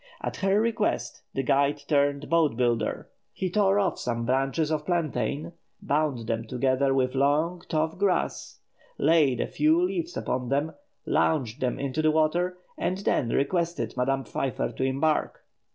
At her request, the guide turned boat builder. He tore off some branches of plantain, bound them together with long tough grass, laid a few leaves upon them, launched them in the water, and then requested Madame Pfeiffer to embark.